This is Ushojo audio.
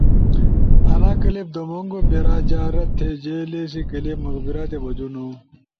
آنا کلپ دُومونگو پیرا جا رد تھے جے لیسی کلپ مقبرہ تے بجونو۔